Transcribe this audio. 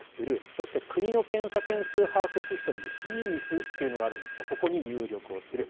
そして国の検査件数把握システムでＧ−ＭＩＳというのがあるんですがそこに入力をする。